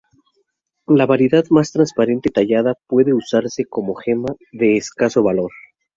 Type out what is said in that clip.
La variedad más transparente tallada puede usarse como gema de escaso valor.